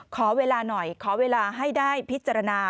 ขอเวลาหน่อยขอเวลาให้ได้พิจารณา